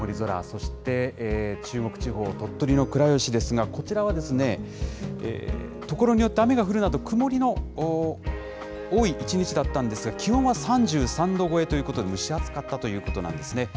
そして中国地方、鳥取の倉吉ですが、こちらは所によって雨が降るなど、曇りの多い一日だったんですが、気温は３３度超えということで、蒸し暑かったということなんですね。